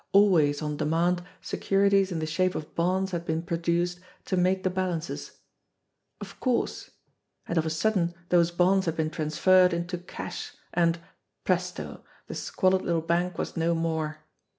Always on demand securities in the shape of bonds had been produced to make the bal ances. Of course ! And of a sudden those bonds had been transferred into cash, and presto ! the squalid little bank was no more